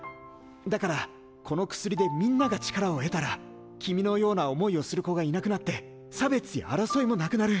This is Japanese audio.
だからこの薬でみんなが力を得たら君のような思いをする子がいなくなって差別や争いもなくなる。